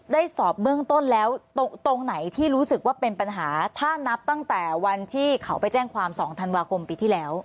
สอบเบื้องต้นแล้วตรงไหนที่รู้สึกว่าเป็นปัญหาถ้านับตั้งแต่วันที่เขาไปแจ้งความ๒ธันวาคมปีที่แล้ว